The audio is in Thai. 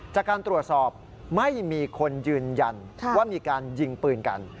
จากการตรวจสอบไม่มีคนยืนยันว่ามีการยิงปืนกัน